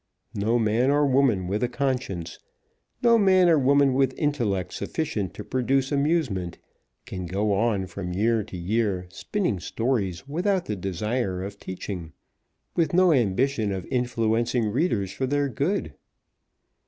No man or woman with a conscience, no man or woman with intellect sufficient to produce amusement, can go on from year to year spinning stories without the desire of teaching; with no ambition of influencing readers for their good.